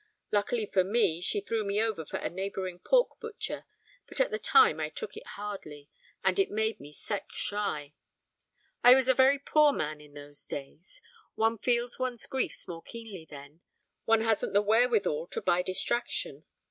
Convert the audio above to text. Luckily for me she threw me over for a neighbouring pork butcher, but at the time I took it hardly, and it made me sex shy. I was a very poor man in those days. One feels one's griefs more keenly then, one hasn't the wherewithal to buy distraction.